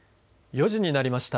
４時になりました。